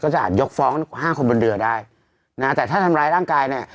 จะอาจยกฟ้องห้าคนบนเรือได้นะฮะแต่ถ้าทำร้ายร่างกายเนี่ย